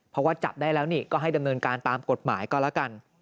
เพราะว่าจับได้แล้วนี่ก็ให้ดำเนินการตามกฎหมายก็แล้วกัน